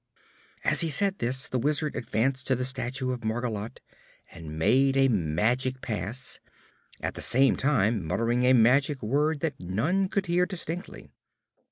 As he said this the Wizard advanced to the statue of Margolote and made a magic pass, at the same time muttering a magic word that none could hear distinctly.